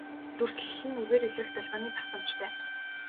Дүрслэл нь үгээр илрэх долгионы давтамжтай.